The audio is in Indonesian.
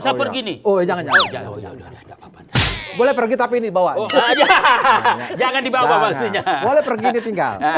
jangan jangan boleh pergi tapi dibawa hahaha jangan dibawa maksudnya boleh pergi tinggal